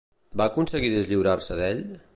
Va aconseguir deslliurar-se d'ell?